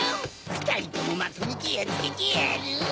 ふたりともまとめてやっつけてやる！